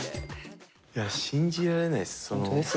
いや信じられないです。